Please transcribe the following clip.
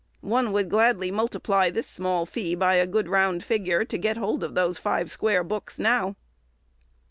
One would gladly multiply this small fee by a good round figure, to get hold of these five square books now.